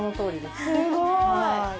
すごい！